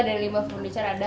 dari limbah furniture ada